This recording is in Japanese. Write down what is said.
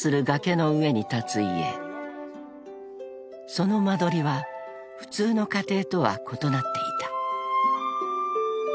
［その間取りは普通の家庭とは異なっていた］